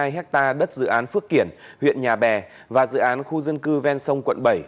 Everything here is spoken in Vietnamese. hai hectare đất dự án phước kiển huyện nhà bè và dự án khu dân cư ven sông quận bảy